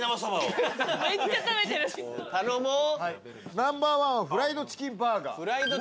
ナンバーワンはフライドチキンバーガー。